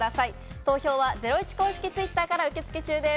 投票はゼロイチ公式Ｔｗｉｔｔｅｒから受け付け中です。